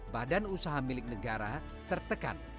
badan usaha milik negara tertekan